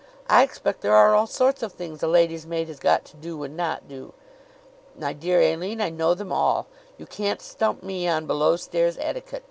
I expect there are all sorts of things a lady's maid has got to do and not do." "My dear Aline, I know them all. You can't stump me on below stairs etiquette.